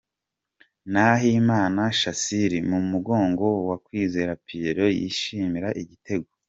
Nahimana Shassir mu mugongo wa Kwizera Pierrot yishimira igitego.